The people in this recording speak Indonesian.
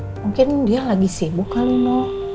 mungkin dia lagi sibuk kali mo